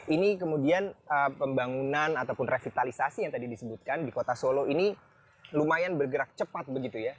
ini kemudian pembangunan ataupun revitalisasi yang tadi disebutkan di kota solo ini lumayan bergerak cepat begitu ya